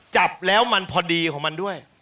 จับแล้วมันพอดีของมันด้วย